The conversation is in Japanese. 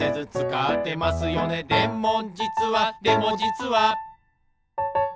「でもじつはでもじつは」